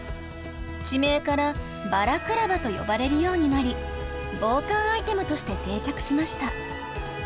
地名から「バラクラバ」と呼ばれるようになり防寒アイテムとして定着しました。